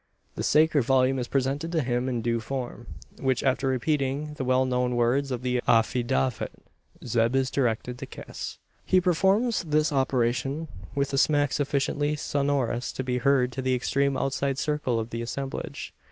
The sacred volume is presented to him in due form; which, after repeating the well known words of the "affidavit," Zeb is directed to kiss. He performs this operation with a smack sufficiently sonorous to be heard to the extreme outside circle of the assemblage.